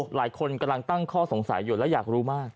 หลายคนกำลังตั้งข้อสงสัยอยู่และอยากรู้มาก